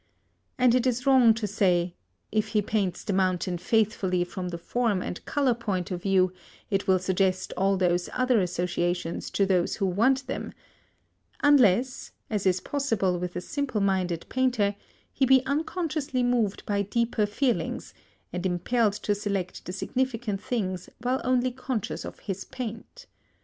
And it is wrong to say "If he paints the mountain faithfully from the form and colour point of view it will suggest all those other associations to those who want them," unless, as is possible with a simple minded painter, he be unconsciously moved by deeper feelings, and impelled to select the significant things while only conscious of his paint.